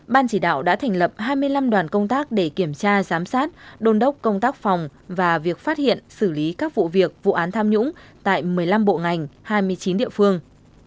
ban chỉ đạo đã thành lập hai mươi năm đoàn công tác để kiểm tra giám sát đôn đốc công tác phòng và việc phát hiện xử lý các vụ việc vụ án tham nhũng tại một mươi năm bộ ngành hai mươi chín địa phương